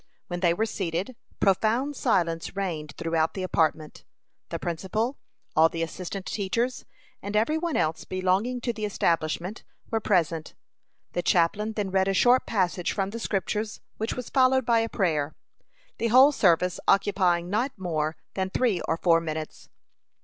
When they were seated, profound silence reigned throughout the apartment. The principal, all the assistant teachers, and every one else belonging to the establishment, were present. The chaplain then read a short passage from the Scriptures, which was followed by a prayer, the whole service occupying not more than three or four minutes.